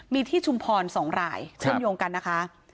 มีที่ชุมพร๒รายเชื่อมโยงกันนะคะ